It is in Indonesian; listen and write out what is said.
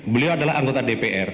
beliau adalah anggota dpr